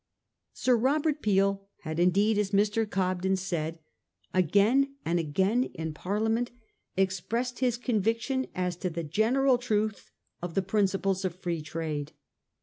Sir Robert Peel had indeed, as Mr. Cobden said, again and again in Parliament expressed his conviction as to the general truth of the principles of Free Trade.